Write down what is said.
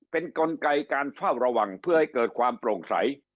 เป็นกลไกการเฝ้าระวังเพื่อให้เกิดความโปร่งใส